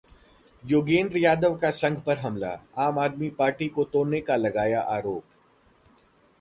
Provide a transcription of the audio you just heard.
योगेंद्र यादव का संघ पर हमला, आम आदमी पार्टी को तोड़ने का लगाया आरोप